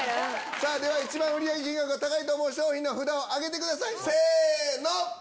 さあ、では一番売り上げが高いと思う商品の札を上げてください、せーの！